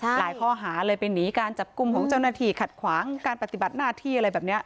หลายข้อหาเลยไปหนีการจับกลุ่มของเจ้าหน้าที่ขัดขวางการปฏิบัติหน้าที่อะไรแบบนี้